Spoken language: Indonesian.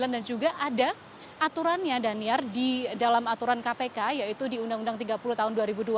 dan juga ada aturannya daniar di dalam aturan kpk yaitu di undang undang tiga puluh tahun dua ribu dua